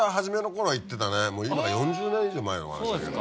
今から４０年以上前の話だけど。